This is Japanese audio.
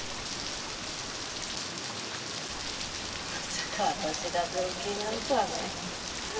まさか私が病気になるとはね。